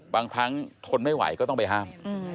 บางครั้งทนไม่ไหวก็ต้องไปห้าม